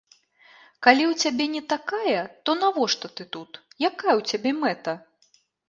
Калі ў цябе не такая, то навошта ты тут, якая ў цябе мэта?